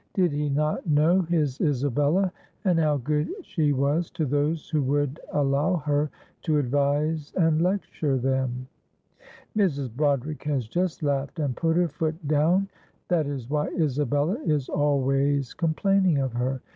Did he not know his Isabella, and how good she was to those who would allow her to advise and lecture them. "Mrs. Broderick has just laughed and put her foot down, that is why Isabella is always complaining of her.